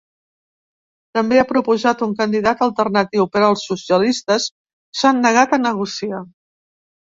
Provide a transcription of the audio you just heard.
També ha proposat un candidat alternatiu, però els socialistes s’han negat a negociar.